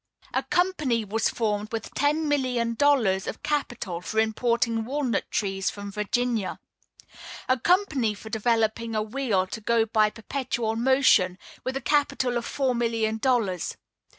A company was formed with ten million dollars of capital for importing walnut trees from Virginia. A company for developing a wheel to go by perpetual motion, with a capital of four million dollars.